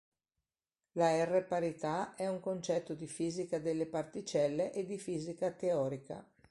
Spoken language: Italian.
La R-parità è un concetto di fisica delle particelle e di fisica teorica.